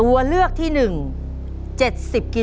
น้องป๋องเลือกเรื่องระยะทางให้พี่เอื้อหนุนขึ้นมาต่อชีวิต